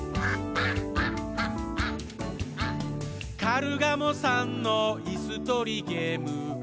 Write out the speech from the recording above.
「カルガモさんのいすとりゲーム」